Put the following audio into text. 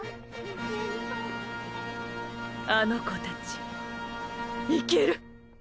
あの子たちいける！